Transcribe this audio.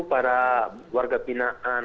para warga dinaan